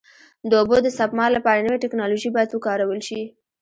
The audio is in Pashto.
د اوبو د سپما لپاره نوې ټکنالوژي باید وکارول شي.